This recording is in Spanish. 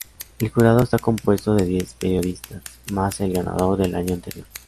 El jurado está compuesto de diez periodistas, más el ganador del año anterior.